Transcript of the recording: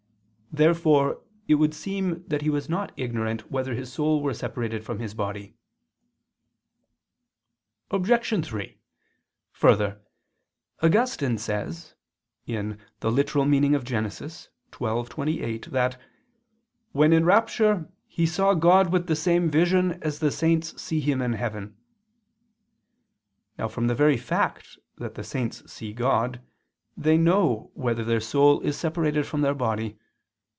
Therefore it would seem that he was not ignorant whether his soul were separated from his body. Obj. 3: Further, Augustine says (Gen. ad lit. xii, 28) that "when in rapture, he saw God with the same vision as the saints see Him in heaven." Now from the very fact that the saints see God, they know whether their soul is separated from their body.